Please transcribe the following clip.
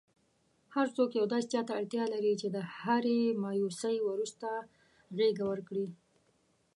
هرڅوک یو داسي چاته اړتیا لري چي د هري مایوسۍ وروسته غیږه ورکړئ.!